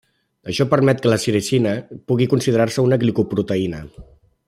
Això permet que la sericina pugui considerar-se una glicoproteïna.